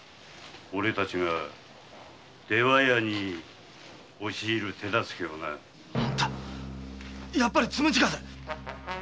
おれたちが「出羽屋」へ押し入る手助けをな。あんたやっぱり「つむじ風」！？